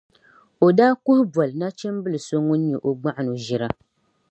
o daa kuhi boli nachimbil’ so ŋun nyɛ o gbɔɣino ʒira.